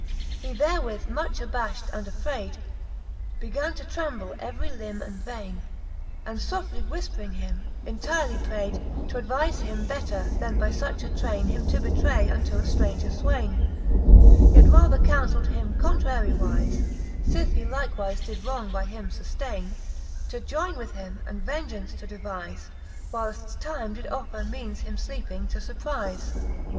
XXII. He therewith much abaflied and affrayd, Began to tremble every limbe and vaine ; And foftly whifpering him, entyrely prayd, T' advize him better, then by fuch a traine Him to betray unto a jftraunger fwaine: Yet rather counfeld him contrarywize, Sith he likewife did wrong by him fuftaine, To joyne with him, and vengeance to devize, Whyleft time did offer meanes him lleeping to furprize.